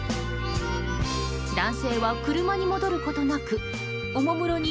男性は車に戻ることなくおもむろに